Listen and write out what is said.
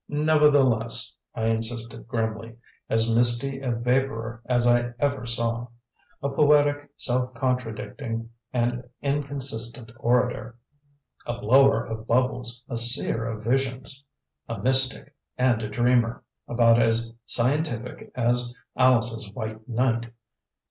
"Nevertheless," I insisted grimly, "as misty a vapourer as I ever saw; a poetic, self contradicting and inconsistent orator, a blower of bubbles, a seer of visions, a mystic, and a dreamer about as scientific as Alice's White Knight!